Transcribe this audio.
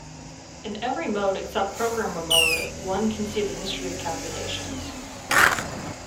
In every mode except programmer mode, one can see the history of calculations.